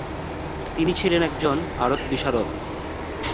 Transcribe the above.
তিনি ছিলেন একজন ভারতবিশারদ।